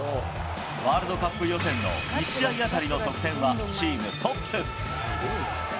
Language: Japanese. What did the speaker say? ワールドカップ予選の１試合当たりの得点はチームトップ。